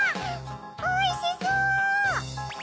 おいしそう！